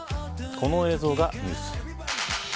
この映像がニュース。